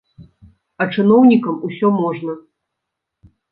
А чыноўнікам усё можна.